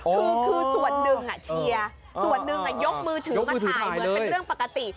คือส่วนหนึ่งเชียร์ส่วนหนึ่งยกมือถือมาถ่ายเหมือนเป็นเรื่องปกติ